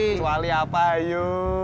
kecuali apa ayu